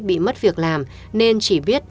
bị mất việc làm nên chỉ biết